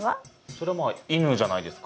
それはまあ犬じゃないですか？